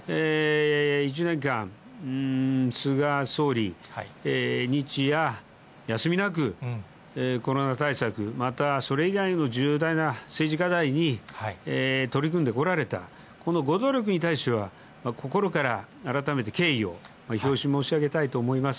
１年間、菅総理、日夜休みなく、コロナ対策、またそれ以外の重大な政治課題に取り組んでこられた、このご努力に対しては心から改めて敬意を表し申し上げたいと思います。